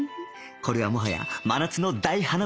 これはもはや真夏の大花火大会だ